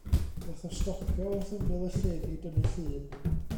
Nath o stopio wrth ymyl y llyn i dynnu llun.